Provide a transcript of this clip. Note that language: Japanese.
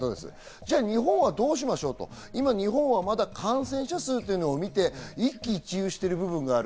じゃあ、日本はどうしましょうと今、日本はまだ感染者数を見て一喜一憂している部分がある。